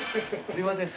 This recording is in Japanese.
すいません。